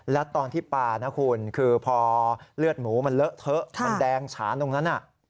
แล้วตอนที่ปลานะคุณคือพอเลือดหมูมันเลอะเทอะมันแดงฉานตรงนั้น